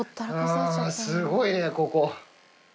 すごいね、ここ。